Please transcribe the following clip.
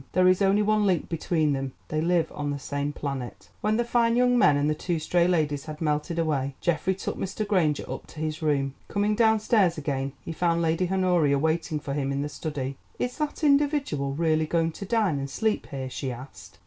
There is only one link between them: they live on the same planet. When the fine young men and the two stray ladies had melted away, Geoffrey took Mr. Granger up to his room. Coming downstairs again he found Lady Honoria waiting for him in the study. "Is that individual really going to dine and sleep here?" she asked.